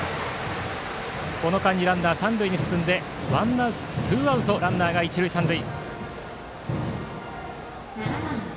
この間にランナーは三塁に進んでツーアウトランナーが一塁三塁。